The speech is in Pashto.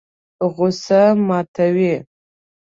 غوسه ماتوي.